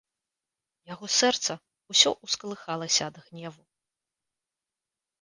Яго сэрца ўсё ўскалыхалася ад гневу.